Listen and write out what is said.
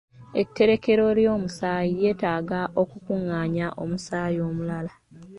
Etterekero ly'omusaayi lyetaaga okukungaanya omusaayi omulala.